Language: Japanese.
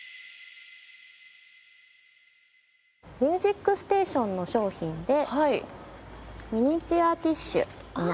『ミュージックステーション』の商品でミニチュアティッシュになっています。